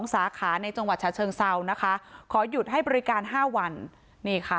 สาขาในจังหวัดฉะเชิงเซานะคะขอหยุดให้บริการ๕วันนี่ค่ะ